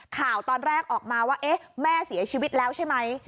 ข่าวตอนแรกออกมาว่าเอ๊ะแม่เสียชีวิตแล้วใช่ไหม